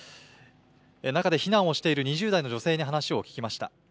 中で避難をしている２０代の女性に話を聞きました。